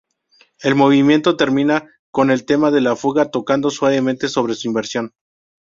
El movimiento termina con el tema de la fuga tocado suavemente sobre su inversión.